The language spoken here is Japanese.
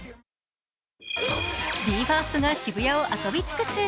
ＢＥ：ＦＩＲＳＴが渋谷を遊び尽くす。